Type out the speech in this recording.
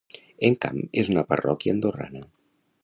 Encamp és una parròquia andorrana.